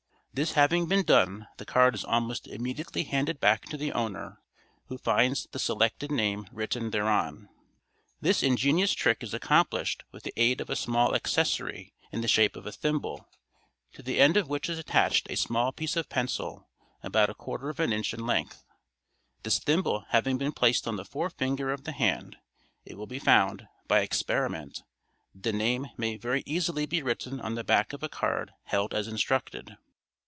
This having been done the card is almost immediately handed back to the owner, who finds the selected name written thereon. This ingenious trick is accomplished with the aid of a small accessory in the shape of a thimble, to the end of which is attached a small piece of pencil about a quarter of an inch in length. This thimble having been placed on the forefinger of the hand, it will be found, by experiment, that the name may very easily be written on the back of a card held as instructed.